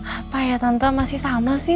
apa ya tentu masih sama sih